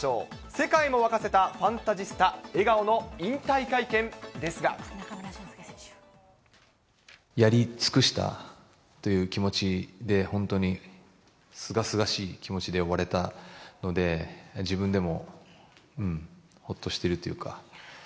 世界も沸かせたファンタジスタ、やり尽くしたという気持ちで、本当にすがすがしい気持ちで終われたので、自分でもほっとしてるというか。